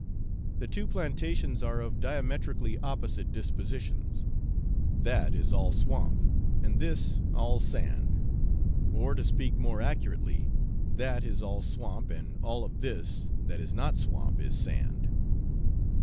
The two plantations are of diametrically opposite dispositions that is all swamp, and this all sand; or to speak more accurately, that is all swamp, and all of this that is not swamp, is sand.